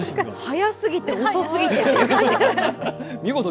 早すぎて、遅すぎて。